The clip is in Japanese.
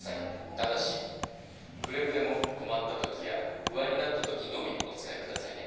ただしくれぐれも困ったときや不安になったときのみお使いくださいね。